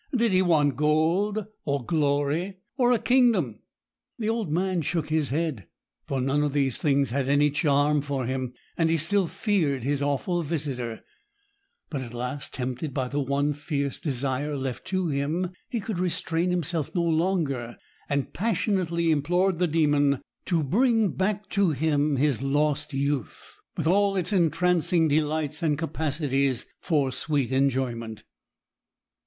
Did he want gold? Or glory? Or a kingdom? The old man shook his head, for none of these things had any charm for him, and he still feared his awful visitor; but at last, tempted by the one fierce desire still left to him, he could restrain himself no longer, and passionately implored the Demon to bring back to him his lost youth, with all its entrancing delights and capacities for sweet enjoyment.